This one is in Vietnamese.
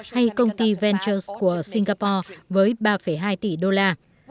hay công ty ventures của singapore với ba hai tỷ đô la